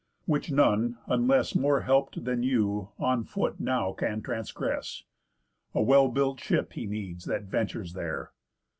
Which none (unless More help'd than you) on foot now can transgress. A well built ship he needs that ventures there.